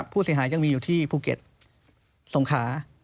ผู้เสียหายยังมีอยู่ที่ภูเก็ตสงขา